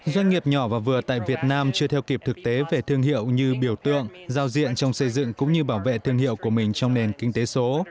doanh nghiệp nhỏ và vừa tại việt nam chưa theo kịp thực tế về thương hiệu như biểu tượng giao diện trong xây dựng cũng như bảo vệ thương hiệu của mình trong nền kinh tế số